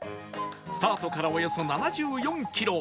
スタートからおよそ７４キロ